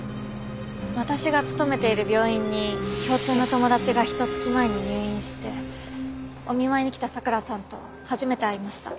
私が勤めている病院に共通の友達がひと月前に入院してお見舞いに来た咲良さんと初めて会いました。